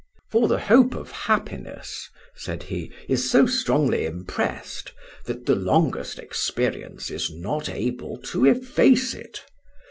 "For the hope of happiness," said he, "is so strongly impressed that the longest experience is not able to efface it.